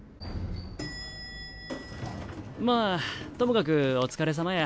まあともかくお疲れさまや。